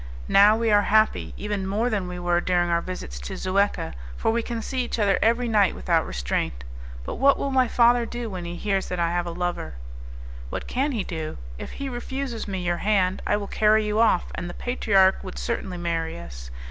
Now, we are happy, even more than we were during our visits to Zuecca, for we can see each other every night without restraint. But what will my father do when he hears that I have a lover?" "What can he do? If he refuses me your hand, I will carry you off, and the patriarch would certainly marry us.